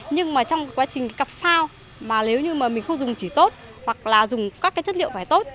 nhưng mà trong quá trình cặp phao mà nếu như mà mình không dùng chỉ tốt hoặc là dùng các cái chất liệu phải tốt